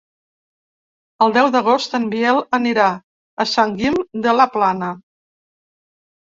El deu d'agost en Biel anirà a Sant Guim de la Plana.